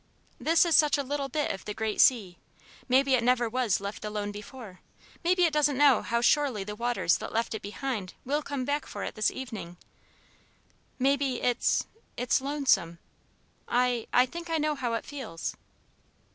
This is such a little bit of the great sea. Maybe it never was left alone before; maybe it doesn't know how surely the waters that left it behind will come back for it this evening. Maybe it's it's lonesome. I I think I know how it feels."